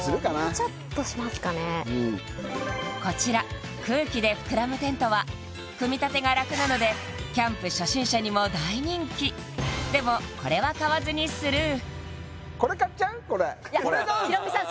もうちょっとしますかねうんこちら空気で膨らむテントは組み立てが楽なのでキャンプ初心者にも大人気でもこれは買わずにスルーヒロミさん